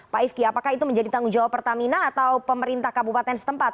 pak ifki apakah itu menjadi tanggung jawab pertamina atau pemerintah kabupaten setempat